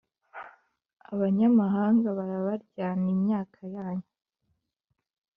abanyamahanga barabaryana imyaka yanyu